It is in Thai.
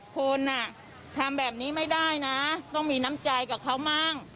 คนทำแบบนี้ไม่ได้นะต้องมีน้ำใจกับเขาบ้าง